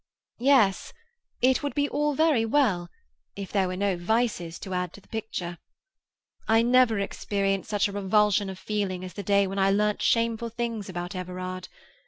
"Yes, it would be all very well, if there were no vices to add to the picture. I never experienced such a revulsion of feeling as the day when I learnt shameful things about Everard.